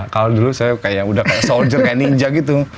kalau dulu saya kayak udah soldier kayak ninja gitu